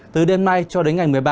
từ đêm nay cho đến ngày một mươi ba